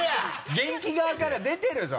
元気側から出てるぞ。